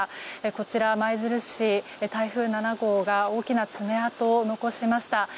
こちら舞鶴市、台風７号が大きな爪痕を残しました。